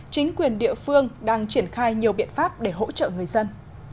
chính quyền địa phương đang triển khai nhiều biện pháp để hỗ trợ người dân